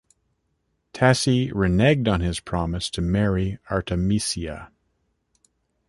Tassi reneged on his promise to marry Artemisia.